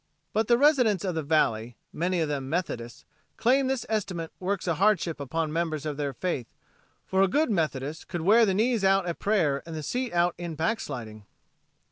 But the residents of the valley, many of them Methodists, claim this estimate works a hardship upon members of their faith for a good Methodist could wear the knees out at prayer and the seat out in "backsliding."